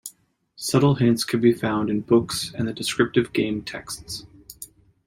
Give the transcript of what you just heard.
Subtle hints can be found in books and the descriptive game texts.